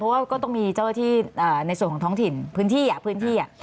เพราะว่าก็ต้องมีเจ้าหน้าที่ในส่วนของท้องถิ่นพื้นที่